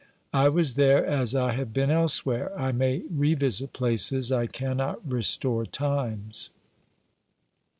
I was there as I have been elsewhere ; I may revisit places, I cannot restore times.